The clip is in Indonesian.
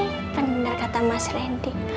hai benar kata mas reddy